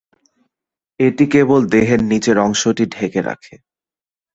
এটি কেবল দেহের নিচের অংশটি ঢেকে রাখে।